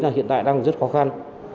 là hiện tại đang rất khó khăn